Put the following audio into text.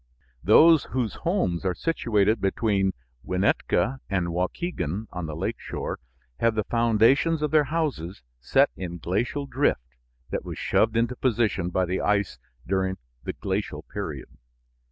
Those whose homes are situated between Winnetka and Waukegan on the lake shore have the foundations of their houses set in glacial drift that was shoved into position by the ice during the glacial period.